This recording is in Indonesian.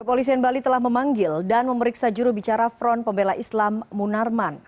kepolisian bali telah memanggil dan memeriksa jurubicara front pembela islam munarman